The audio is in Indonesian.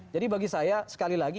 bagi saya sekali lagi